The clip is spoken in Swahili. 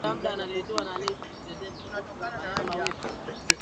kutoa pasi murua za magoli pamoja na kufunga